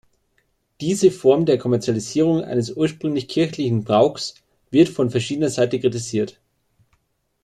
Diese Form der Kommerzialisierung eines ursprünglich kirchlichen Brauchs, wird von verschiedener Seite kritisiert.